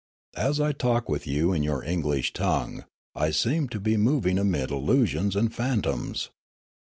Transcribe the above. As I talk with you in your English tongue, I seem to be moving amid illusions and phantoms.